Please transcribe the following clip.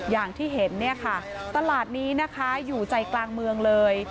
อย่างที่เห็นตลาดนี้อยู่ใจกลางเมืองเลย